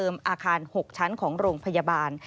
อาคาร๖ชั้นของโรงพยาบาล